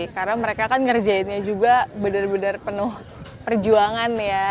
karena mereka kan ngerjainnya juga benar benar penuh perjuangan ya